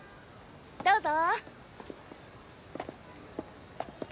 どうぞ。